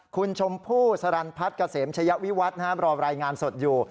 คุณชมพู่สรรพัฒน์กระเสมเฉยะวิวัฒน์รอรายงานสดอยู่